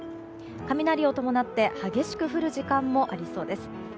雷を伴って激しく降る時間もありそうです。